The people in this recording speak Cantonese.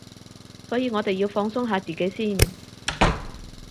所以我哋要放鬆下自己先